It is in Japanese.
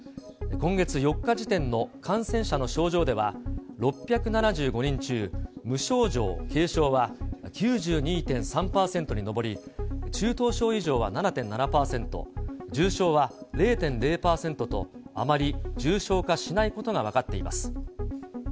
今月４日時点の感染者の症状では、６７５人中、無症状・軽症は９２．３％に上り、中等症以上は７．７％、重症は０．０％と、あまり重症化しないことが分かっています。